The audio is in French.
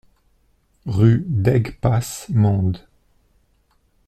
Rue d'Aigues Passes, Mende